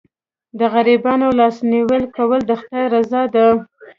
د غریبانو لاسنیوی کول د خدای رضا ده.